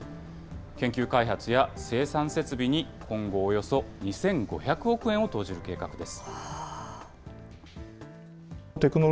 研究開発や生産設備に今後およそ２５００億円を投じる計画です。